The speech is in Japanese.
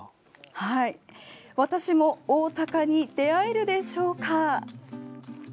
私もオオタカに出会えるでしょうか。